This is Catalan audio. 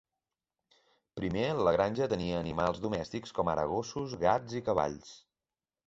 Primer, la granja tenia animals domèstics com ara gossos, gats i cavalls.